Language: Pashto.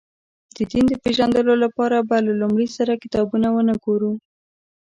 د دین د پېژندلو لپاره به له لومړي سره کتابونه ونه ګورو.